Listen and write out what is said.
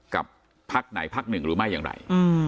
กับภาคไหนภาคหนึ่งรู้ไหมอย่างไร